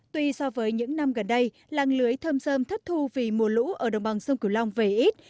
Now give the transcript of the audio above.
tuy so với những năm gần đây làng lưới thâm sơn thất thu vì mùa lũ ở đồng bằng sông cửu long về ít